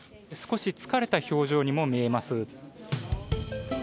少し疲れた表情にも見えます。